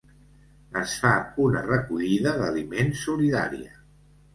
Es fa una recollida d'aliments solidària.